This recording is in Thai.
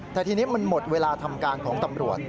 แต่ทีนี้มันหมดเวลาทำการของตำรวจ